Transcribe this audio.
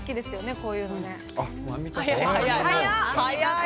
こういうのね。